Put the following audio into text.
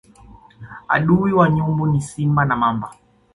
Adui wa nyumbu ni simba na mamba